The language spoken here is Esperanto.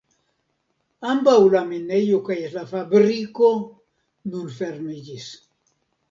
Ambaŭ la minejo kaj la fabriko nun fermiĝis.